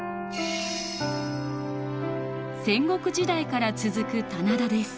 戦国時代から続く棚田です。